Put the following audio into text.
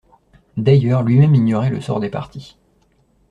D'ailleurs, lui-même ignorait le sort des partis.